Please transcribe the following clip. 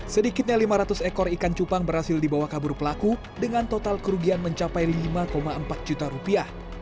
sedikitnya lima ratus ekor ikan cupang berhasil dibawa kabur pelaku dengan total kerugian mencapai lima empat juta rupiah